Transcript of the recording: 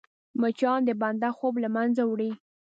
مچان د بنده خوب له منځه وړي